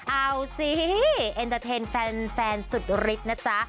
เอาสิเอ็นเตอร์เทนแฟนสุดฤทธิ์นะจ๊ะ